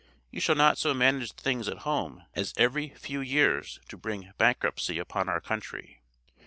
You shall not so manage things at home, as every few years to bring bankruptcy upon our country.